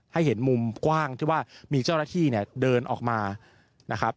เห็นมุมกว้างที่ว่ามีเจ้าหน้าที่เนี่ยเดินออกมานะครับ